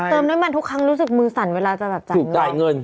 เติมได้มันทุกครั้งรู้สึกมือสั่นเวลาจะจัดเงิน